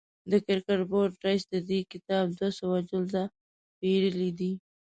د کرکټ بورډ رئیس د دې کتاب دوه سوه جلده پېرلي دي.